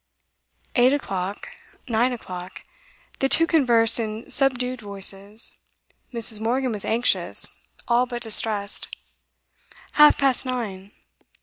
Eight o'clock, nine o'clock. The two conversed in subdued voices; Mrs. Morgan was anxious, all but distressed. Half past nine.